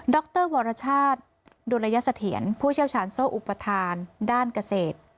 รวรชาติดุลยเสถียรผู้เชี่ยวชาญโซ่อุปทานด้านเกษตร